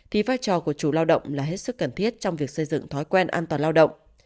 thì vai trò của chủ lao động là hết sức cần thiết trong việc xây dựng thói quen an toàn lao động